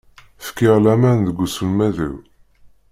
Fkiɣ laman deg uselmad-iw.